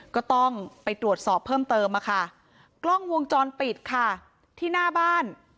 ก็ต้องไปตรวจสอบเพิ่มเติมอะค่ะกล้องวงจรปิดค่ะที่หน้าบ้าน